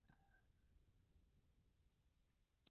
Doda: va alaykum assalam qani ehhe qo’chqor uglim...